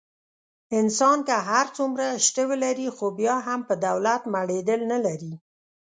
انسان که هر څومره شته ولري. خو بیا هم په دولت مړېدل نه لري.